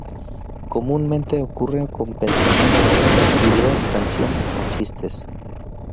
Comúnmente ocurre con pensamientos, ideas, canciones o chistes.